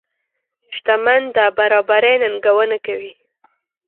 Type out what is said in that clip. شتمن د برابرۍ ننګونه کوي.